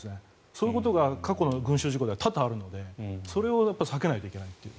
そういうことが過去の群衆事故では多々あるので、それを避けないといけないという。